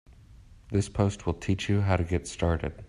This post will teach you how to get started.